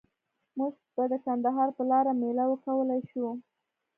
موږ به د کندهار په لاره میله وکولای شو؟